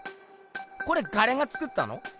これガレがつくったの？